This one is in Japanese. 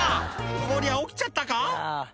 こりゃ起きちゃったか？